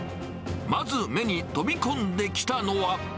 まず、目に飛び込んできたのは。